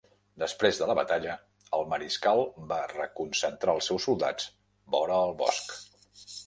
Després de la batalla, el mariscal va reconcentrar els seus soldats vora el bosc.